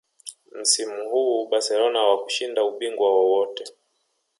msimu huo barcelona hawakushinda ubingwa wowote